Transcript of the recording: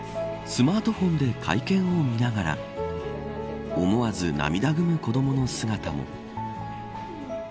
スマートフォンで会見を見ながら思わず涙ぐむ子どもの姿も。